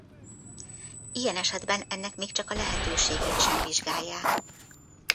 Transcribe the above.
Ilyen esetben ennek még csak a lehetőségét sem vizsgálják.